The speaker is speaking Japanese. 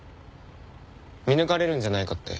見抜かれるんじゃないかって。